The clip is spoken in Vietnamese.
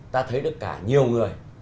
ta thấy được cả nhiều người